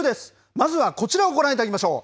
まずはこちらをご覧いただきましょう。